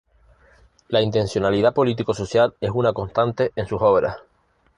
La intencionalidad político-social es una constante en sus obras.